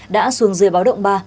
đã xuồng dưới báo động ba